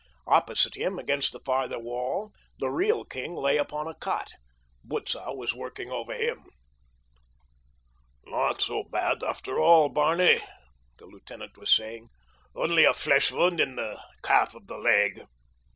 Opposite him, against the farther wall, the real king lay upon a cot. Butzow was working over him. "Not so bad, after all, Barney," the lieutenant was saying. "Only a flesh wound in the calf of the leg."